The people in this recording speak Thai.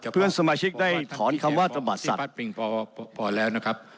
เพื่อนสมาชิกได้ถอนคำว่าตระบาดสัตว์